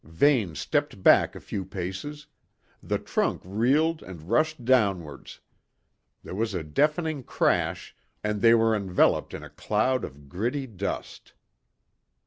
Vane stepped back a few paces; the trunk reeled and rushed downwards: there was a deafening crash, and they were enveloped in a cloud of gritty dust.